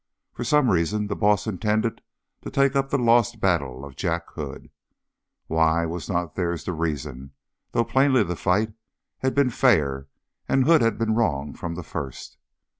For some reason the boss intended to take up the lost battle of Jack Hood. Why, was not theirs to reason, though plainly the fight had been fair, and Hood had been in the wrong from the first.